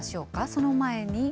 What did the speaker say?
その前に？